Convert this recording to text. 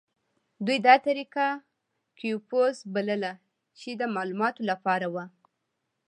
دوی دا طریقه کیوپوس بلله چې د معلوماتو لپاره وه.